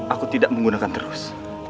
aku tidak menggunakan terus